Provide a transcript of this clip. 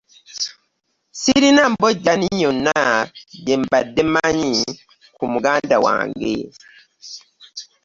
Sirina mbojjanyi yonna gye mbadde manyi ku muganda wange.